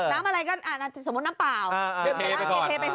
เทน้ำไปเถอะน้ำอะไรก็สมมติน้ำเปล่าเทไปเถอะ